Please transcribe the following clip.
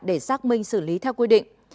để xác minh xử lý theo quy định